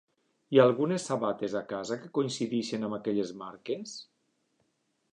Hi ha algunes sabates a la casa que coincideixin amb aquelles marques?